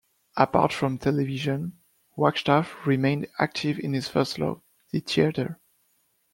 Apart from television, Wagstaff remained active in his first love, the theatre.